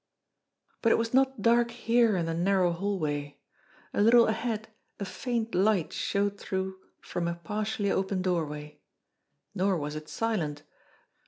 But it was not dark here in the narrow hallway. A little ahead, a faint light showed through from a partially open doorway. Nor was it silent.